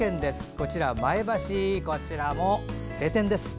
こちら前橋、こちらも晴天です。